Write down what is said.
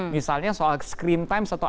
misalnya soal screentime atau